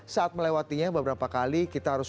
saat melewatinya beberapa kali kita harus